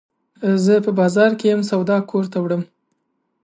زه په بازار کي یم، سودا کور ته وړم.